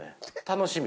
楽しみ。